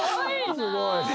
すごいね。